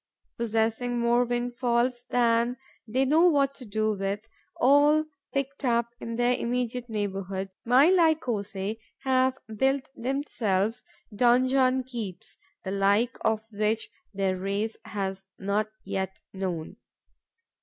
Possessing more windfalls than they know what to do with, all picked up in their immediate neighbourhood, my Lycosae have built themselves donjon keeps the like of which their race has not yet known.